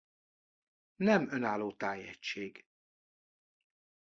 Nem önálló tájegység.